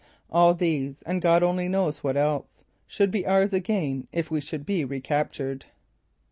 All these, and God only knows what else, should be ours again if we should be recaptured.